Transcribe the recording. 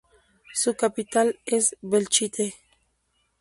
Su capital es Belchite.